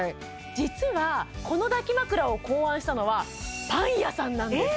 実はこの抱き枕を考案したのはパン屋さんなんですえ